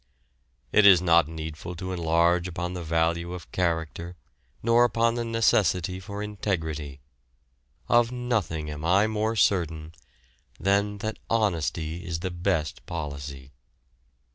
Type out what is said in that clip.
It is not needful to enlarge upon the value of character nor upon the necessity for "integrity." Of nothing am I more certain, than that "Honesty is the best policy."